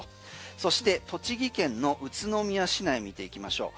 そして栃木県の宇都宮市内見ていきましょう。